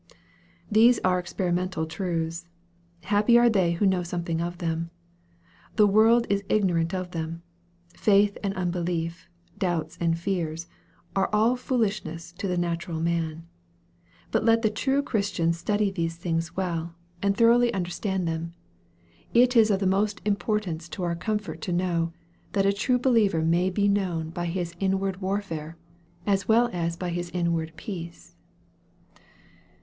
These are experimental truths. Happy are they who know something of them. The world is ignorant of them. Faith and unbelief, doubts and fears, are all foolishness to the natural man. But let the true Chris tian study these things well, and thoroughly understand 184 EXPOSITORY THOUGHTS. them. It is of the utmost, importance to our comfort to know, that a true believer may be known by his in ward warfare, as well as by his inward peace.